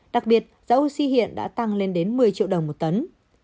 đặc biệt giá oxy hiện đã tăng lên đến một mươi triệu đồng một tấn